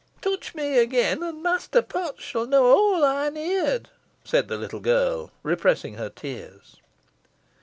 "Touch me again, an Mester Potts shan knoa aw ey'n heer'd," said the little girl, repressing her tears.